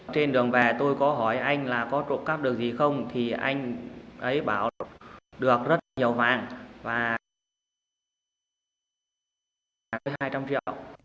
trên đường về tôi có hỏi anh là có trộm cắp được gì không thì anh ấy bảo được rất nhiều vàng và hai trăm linh triệu